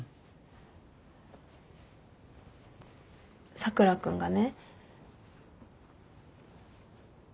佐倉君がね。